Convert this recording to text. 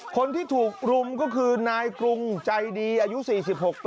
คนที่ถูกรุมก็คือนายกรุงใจดีอายุ๔๖ปี